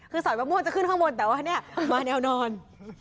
คือสอยมะม่วงจะขึ้นข้างบนแต่ว่าเนี่ยมาแนวนอน